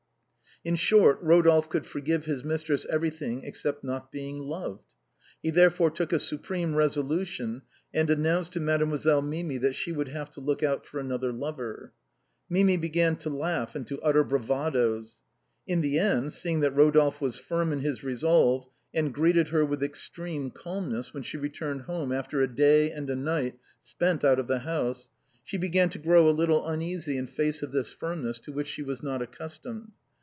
In short, Ro dolphe could forgive his mistress everything except not being loved. He therefore took a supreme resolution, and announced to Mademoiselle Mimi that she would have to look out for another lover. Mimi began to laugh and to utter bravadoes. In the end, seeing that Rodolphe was firm in his resolve, and greeted her with extreme calmness when she returned home after a day and a night spent out of the house, she began to grow a little uneasy in face of this 170 THE BOHEMIANS OF THE LATIN QUARTER. firmness, to which she was not accustomed.